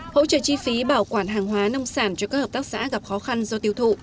hỗ trợ chi phí bảo quản hàng hóa nông sản cho các hợp tác xã gặp khó khăn do tiêu thụ